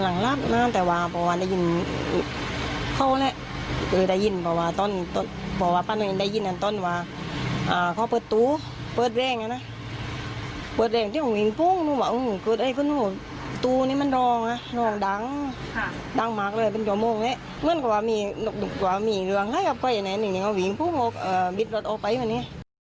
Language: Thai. นกหนุ่มตัวว่ามีเรื่องอะไรก็ยังไงนึกวิ่งผู้โม้บบิดรถโอไปวันนี้